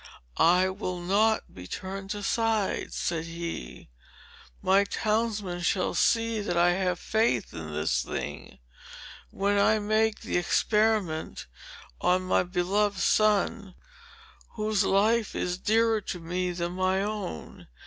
"I will not be turned aside," said he. "My townsmen shall see that I have faith in this thing, when I make the experiment on my beloved son, whose life is dearer to me than my own.